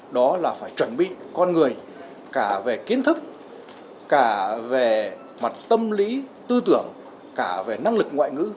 đó là phải chuẩn bị con người cả về kiến thức cả về mặt tâm lý tư tưởng cả về năng lực ngoại ngữ